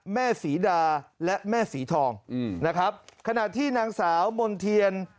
แม่ศรีดาและแม่สีทองนะครับขณะที่นางสาวมณ์เทียน